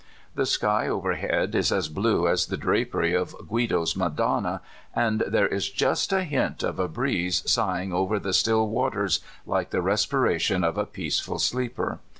The sky overhead is as blue as the drapery of Guido's Madonna, and there is just a liiut of a breeze sighing over the still waters, like the respiration of a peaceful sleeper.